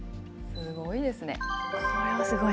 すごいですね。